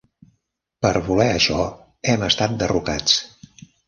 Per voler això, hem estat derrocats.